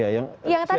ya yang tadi